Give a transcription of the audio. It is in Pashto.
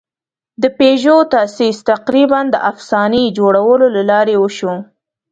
د پيژو تاسیس تقریباً د افسانې جوړولو له لارې وشو.